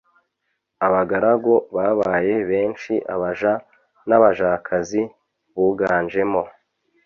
abagaru babaye benshi abaja nabajakazi buganjemo